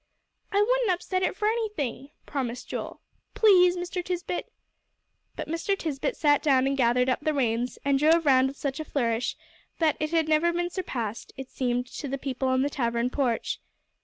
"I wouldn't upset it for anything," promised Joel. "Please, Mr. Tisbett." But Mr. Tisbett sat down and gathered up the reins and drove round with such a flourish that it never had been surpassed, it seemed to the people on the tavern porch.